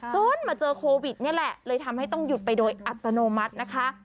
จนมาเจอโควิดนี่แหละเลยทำให้ต้องหยุดไปโดยอัตโนมัตินะคะ